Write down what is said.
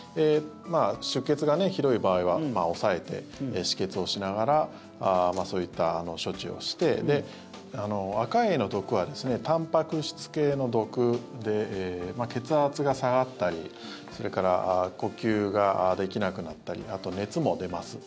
出血がひどい場合は押さえて、止血をしながらそういった処置をしてアカエイの毒はたんぱく質系の毒で血圧が下がったりそれから呼吸ができなくなったりあと、熱も出ます。